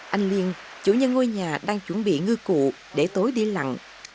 anh liên chủ nhân ngôi nhà đang chuẩn bị ngư cụ để tối đi lặng